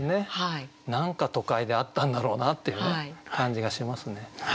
何か都会であったんだろうなっていう感じがしますね。